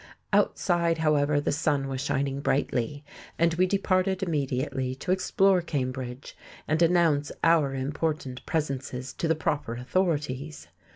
Outside, however, the sun was shining brightly, and we departed immediately to explore Cambridge and announce our important presences to the proper authorities....